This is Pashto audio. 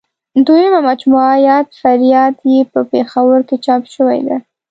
دویمه مجموعه یاد فریاد یې په پېښور کې چاپ شوې ده.